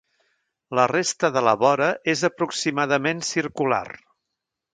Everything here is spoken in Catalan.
La resta de la vora és aproximadament circular.